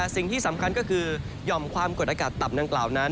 สิ่งที่สำคัญก็คือหย่อมความกดอากาศต่ำดังกล่าวนั้น